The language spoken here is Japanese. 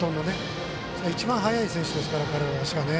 一番速い選手ですから彼は足が。